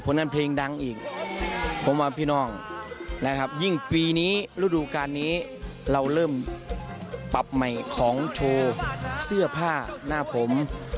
เราเริ่มปรับใหม่ของโชว์เสื้อผ้าหน้าผม